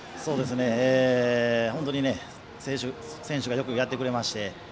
本当に選手がよくやってくれまして。